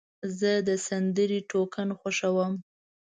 زه د سندرې ټون خوښوم.